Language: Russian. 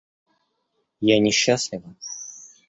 Я несчастлива?